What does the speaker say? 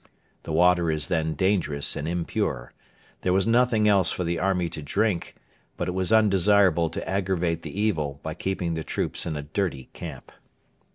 The water is then dangerous and impure. There was nothing else for the army to drink; but it was undesirable to aggravate the evil by keeping the troops in a dirty camp.